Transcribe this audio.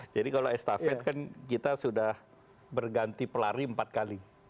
jadi kalau estafet kan kita sudah berganti pelari empat kali